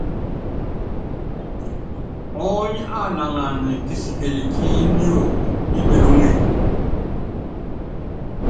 Ɔɔ́ny á laŋan kisikɛl kí niok ní melúŋe.